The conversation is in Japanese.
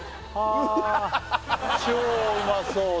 あ超うまそうだ